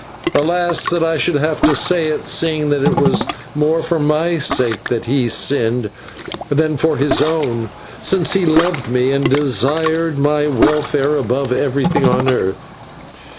Alas! that I should have to say it, seeing that it was more for my own sake that he sinned than for his own, since he loved me, and desired my welfare above everything on earth.